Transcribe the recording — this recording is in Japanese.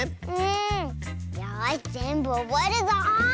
よしぜんぶおぼえるぞ！